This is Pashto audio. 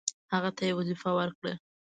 هغه ته یې وظیفه ورکړه.